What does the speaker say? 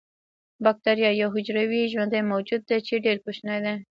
باکتریا یو حجروي ژوندی موجود دی چې ډیر کوچنی دی